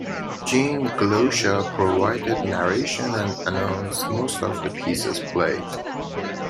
Gene Galusha provided narration and announced most of the pieces played.